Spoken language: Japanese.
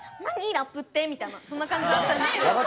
ラップって」みたいなそんな感じだったんですよ。